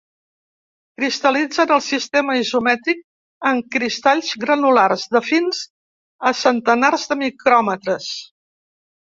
Cristal·litza en el sistema isomètric en cristalls granulars de fins a centenars de micròmetres.